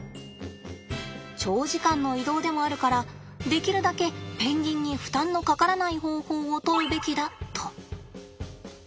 長時間の移動でもあるからできるだけペンギンに負担のかからない方法をとるべきだと。